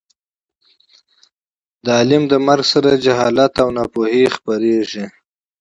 د عالم له مرګ سره جهل او نا پوهي خورېږي.